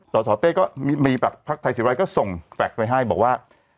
สสเต้ก็มีแบบพักไทยศิวรายก็ส่งแฟลกไปให้บอกว่า